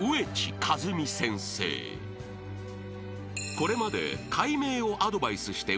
［これまで］